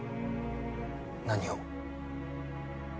何を？